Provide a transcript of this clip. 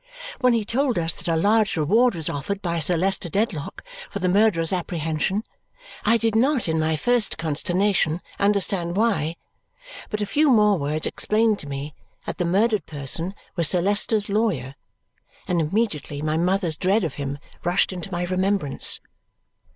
When he told us that a large reward was offered by Sir Leicester Dedlock for the murderer's apprehension, I did not in my first consternation understand why; but a few more words explained to me that the murdered person was Sir Leicester's lawyer, and immediately my mother's dread of him rushed into my remembrance.